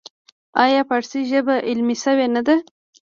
آیا فارسي ژبه علمي شوې نه ده؟